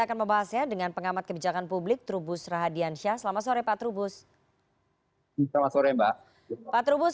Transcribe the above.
akan membahasnya dengan pengamat kebijakan publik trubus rahadian syah selama sore pak trubus